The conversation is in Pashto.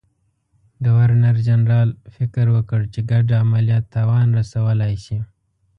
ګورنرجنرال فکر وکړ چې ګډ عملیات تاوان رسولای شي.